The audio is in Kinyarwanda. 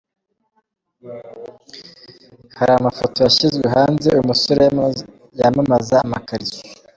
Hari n’amafoto yashyizwe hanze uyu musore yamamaza amakariso.